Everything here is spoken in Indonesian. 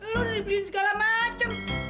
lo udah dibeliin segala macem